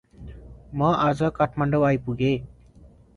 म अाज काठ्माडौ अाइपुगे ।